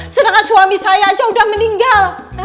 sedangkan suami saya aja udah meninggal